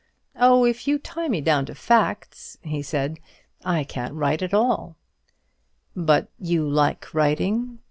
"Oh, if you tie me down to facts," he said, "I can't write at all." "But you like writing?"